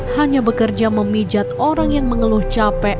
hanya bekerja memijat orang yang mengeluh capek